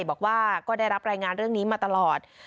บอกว่าก็ได้รับรายงานเรื่องนี้มาตลอด